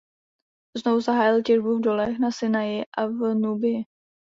Znovu zahájil těžbu v dolech na Sinaji a v Núbii.